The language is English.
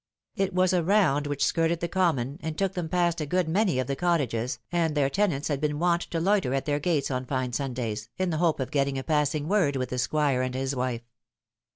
It was a round which skirted the commou, and took them past a good many of the cottages, and their tenants had been wont to loiter at their gates on fine Sundays, in the hope of getting a passing word with the Squire and his wife.